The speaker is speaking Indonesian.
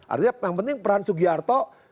artinya yang penting peran sugiarto